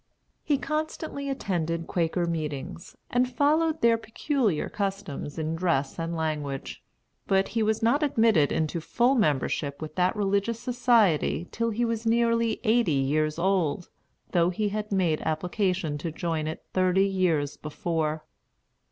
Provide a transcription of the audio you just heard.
He constantly attended Quaker meetings, and followed their peculiar customs in dress and language; but he was not admitted into full membership with that religious society till he was nearly eighty years old, though he had made application to join it thirty years before.